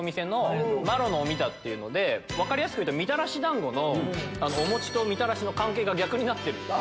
分かりやすく言うとみたらし団子のお餅とみたらしが逆になってる。